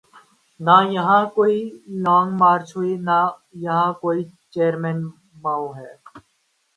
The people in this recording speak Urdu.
نہ یہاں کوئی لانگ مارچ ہوئی ‘نہ یہاں کوئی چیئرمین ماؤ ہے۔